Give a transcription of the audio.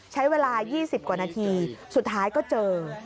ใช้เวลา๒๐กว่านาทีสุดท้ายก็เจอ